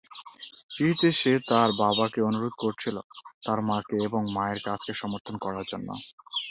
চিঠিতে সে তার বাবাকে অনুরোধ করেছিল তার মাকে এবং মায়ের কাজকে সমর্থন করার জন্য।